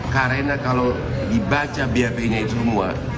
karena kalau dibaca bapi nya itu semua